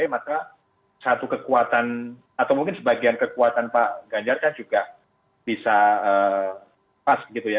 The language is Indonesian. maka satu kekuatan atau mungkin sebagian kekuatan pak ganjar kan juga bisa pas gitu ya